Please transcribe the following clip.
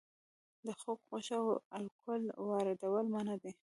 د خوګ غوښه او الکول واردول منع دي؟